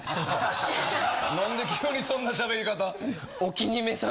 なんで急にそんなしゃべり方？